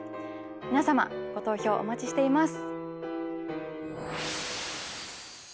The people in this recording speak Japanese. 皆様ご投票お待ちしています。